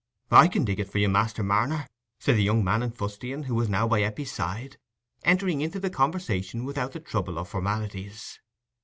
"I can dig it for you, Master Marner," said the young man in fustian, who was now by Eppie's side, entering into the conversation without the trouble of formalities.